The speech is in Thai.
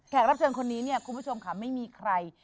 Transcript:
รับเชิญคนนี้เนี่ยคุณผู้ชมค่ะไม่มีใคร